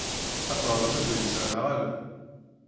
Ad teɣṛem adlis-a neɣ ala?